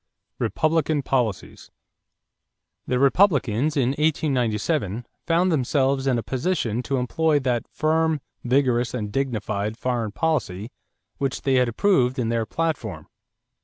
=Republican Policies.= The Republicans in 1897 found themselves in a position to employ that "firm, vigorous, and dignified" foreign policy which they had approved in their platform.